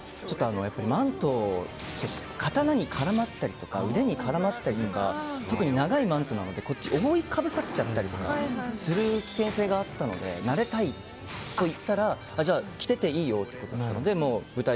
マントって刀に絡まったり腕に絡まったりとか特に長いマントなので覆いかぶさっちゃったりする危険性があったので慣れたいと言ったらじゃあ着ていていいよって舞台